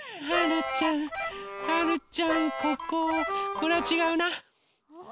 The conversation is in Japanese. これはちがうな。